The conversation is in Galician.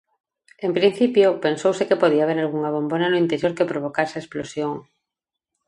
En principio, pensouse que podía haber algunha bombona no interior que provocase a explosión.